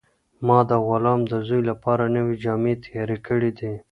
ما د غلام د زوی لپاره نوې جامې تیارې کړې دي.